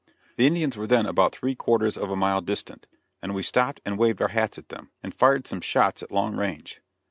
The Indians were then about three quarters of a mile distant, and we stopped and waved our hats at them, and fired some shots at long range.